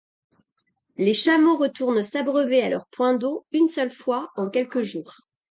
Les chameaux retournent s'abreuver à leur point d'eau une seule fois en quelques jours.